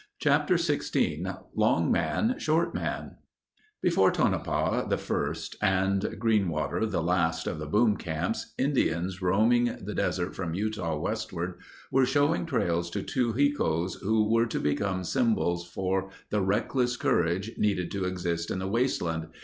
Chapter XVI Long Man, Short Man Before Tonopah, the first, and Greenwater, the last of the boom camps, Indians roaming the desert from Utah westward were showing trails to two hikos, who were to become symbols for the reckless courage needed to exist in the wasteland.